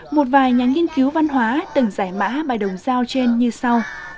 một vài nhà nghiên cứu văn hóa từng giải mã bài đồng giao trên như sau